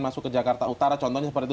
masuk ke jakarta utara contohnya seperti itu